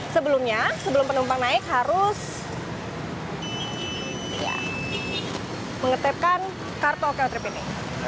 sebelumnya sebelum penumpang naik harus mengetepkan kartu oko trip ini